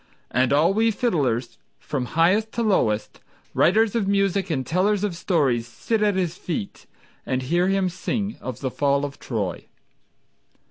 And all we fiddlers, from highest to lowest, Writers of music and tellers of stories Sit at his feet, And hear him sing of the fall of Troy.